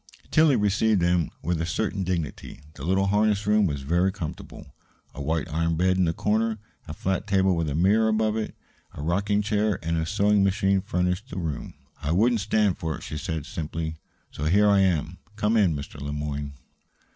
Tillie received him with a certain dignity. The little harness room was very comfortable. A white iron bed in a corner, a flat table with a mirror above it, a rocking chair, and a sewing machine furnished the room. "I wouldn't stand for it," she said simply; "so here I am. Come in, Mr. Le Moyne."